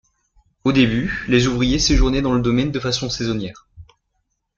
Au début, les ouvriers séjournaient dans le domaine de façon saisonnière.